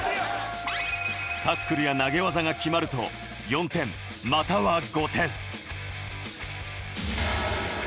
タックルや投げ技が決まると、４点または５点。